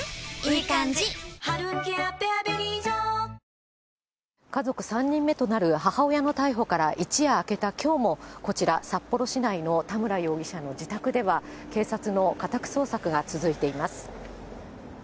ニトリ家族３人目となる母親の逮捕から一夜明けたきょうも、こちら、札幌市内の田村容疑者の自宅では、警察の家宅捜索が続いています。